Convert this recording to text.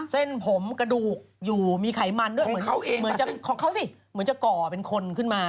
เส้นผมกระดูกอยู่มีไขมันด้วยเหมือนจะก่อเป็นคนขึ้นมา